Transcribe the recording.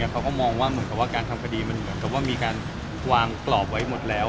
เขาก็มองว่าการทำคดีมันเหมือนกับว่ามีการวางกรอบไว้หมดแล้ว